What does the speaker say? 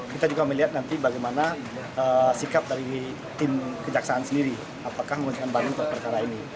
kita juga melihat nanti bagaimana sikap dari tim kejaksaan sendiri apakah mengajukan banding untuk perkara ini